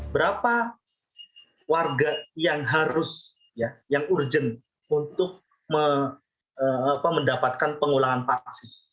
berapa warga yang harus yang urgent untuk mendapatkan pengulangan vaksin